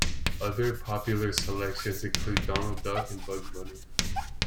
Other popular selections include Donald Duck and Bugs Bunny.